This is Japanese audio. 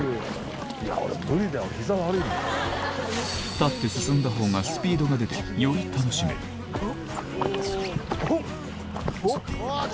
立って進んだほうがスピードが出てより楽しめるほっほっ！